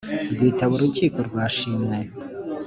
rwitaba urukiko rwa shimwe